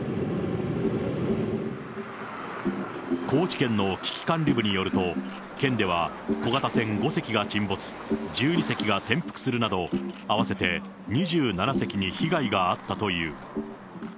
高知県の危機管理部によると、県では小型船５隻が沈没、１２隻が転覆するなど、合わせて２７隻に被害があったという。